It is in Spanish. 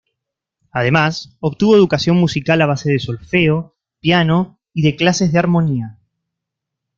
Además, obtuvo educación musical a base de solfeo, piano y de clases de armonía.